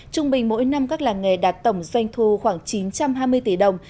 trung bình mỗi năm các làng nghề đạt tổng doanh thu khoảng chín trăm hai mươi tỷ đồng